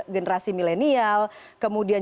generasi milenial kemudian